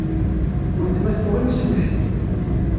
Weltma tuɣ imsujji.